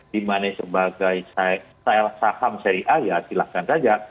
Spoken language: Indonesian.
di mana sebagai saham seri a ya silahkan saja